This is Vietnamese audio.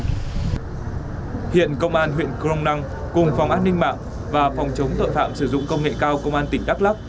hiện công an huyện crong năng cùng phòng an ninh mạng và phòng chống tội phạm sử dụng công nghệ cao công an tỉnh đắk lắc